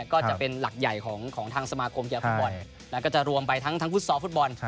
ก็จะเป็นหลักใหญ่ของทางสมาคมเยียร์ฟอร์ดและก็จะรวมไปทั้งฟุตบอล